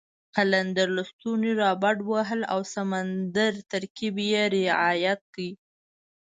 قلندر لسټوني را بډ وهل او د سمندر ترکیب یې رعایت کړ.